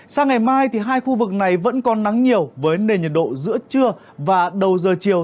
sang ngày mai hai khu vực này vẫn còn nắng nhiều với nền nhiệt độ giữa trưa và đầu giờ chiều